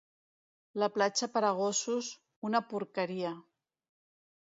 La platja per a gossos, ‘una porqueria’